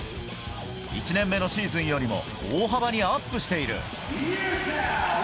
１年目のシーズンよりも大幅にアップしている。